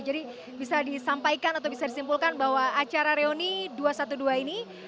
jadi bisa disampaikan atau bisa disimpulkan bahwa acara reuni dua ratus dua belas ini